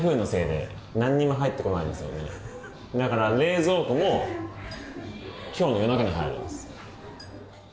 だから冷蔵庫も今日の夜中に入るんです。